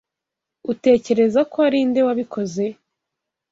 Utekereza ko ari nde wabikoze?